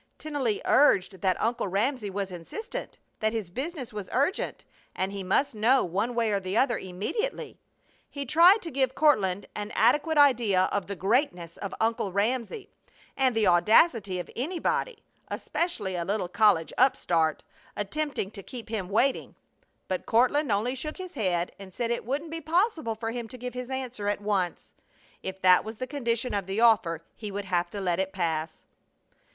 Tennelly urged that Uncle Ramsey was insistent; that his business was urgent, and he must know one way or the other immediately. He tried to give Courtland an adequate idea of the greatness of Uncle Ramsey, and the audacity of anybody, especially a little college upstart, attempting to keep him waiting; but Courtland only shook his head and said it wouldn't be possible for him to give his answer at once. If that was the condition of the offer he would have to let it pass.